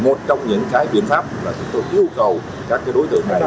một trong những biện pháp là chúng tôi yêu cầu các đối tượng này